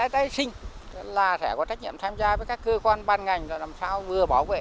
tái sinh là sẽ có trách nhiệm tham gia với các cơ quan ban ngành là làm sao vừa bảo vệ